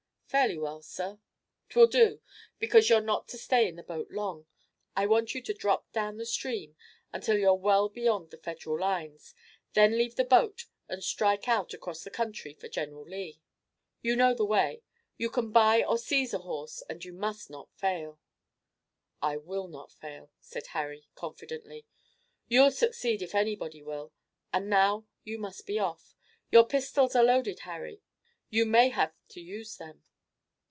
"Fairly well, sir." "'Twill do, because you're not to stay in the boat long. I want you to drop down the stream until you're well beyond the Federal lines. Then leave the boat and strike out across the country for General Lee. You know the way. You can buy or seize a horse, and you must not fail." "I will not fail," said Harry confidently. "You'll succeed if anybody will, and now you must be off. Your pistols are loaded, Harry? You may have to use them."